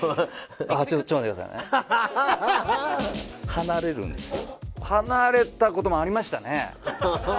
離れるんですよ。